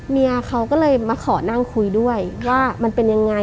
เมียเขาก็เลยมาขอนั่งคุยด้วยว่ามันเป็นยังไง